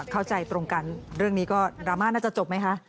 เข้าใจตรงกันเรื่องนี้ก็ดราม่าน่าจะจบไหมคะ